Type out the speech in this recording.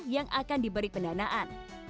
yang akan diberi pendanaan